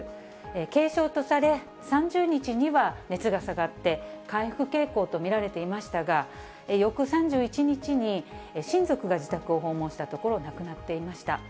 軽症とされ、３０日には熱が下がって、回復傾向と見られていましたが、翌３１日に親族が自宅を訪問したところ、亡くなっていました。